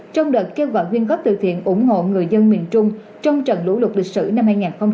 trong đợt kêu gọi nguyên góp từ thiện ủng hộ người dân miền trung trong trận lũ lục lịch sử năm hai nghìn hai mươi